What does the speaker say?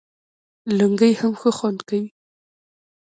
لنګۍ هم ښه خوند کوي